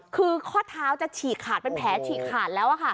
คือข้อเท้าจะฉีกขาดเป็นแผลฉีกขาดแล้ว